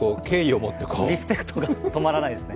リスペクトが止まらないですね。